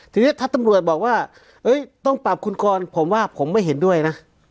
ทีนี้ถ้าตำรวจบอกว่าต้องปรับคุณกรผมว่าผมไม่เห็นด้วยนะ